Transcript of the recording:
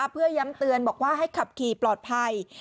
เพื่อย้ำเตือนบอกว่าให้ขับขี่ปลอดภัย